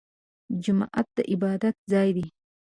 جومات د عبادت ځای دی